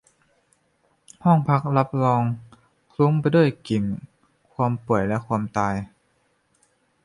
ห้องพักรับรองคลุ้งไปด้วยกลิ่นความป่วยและความตาย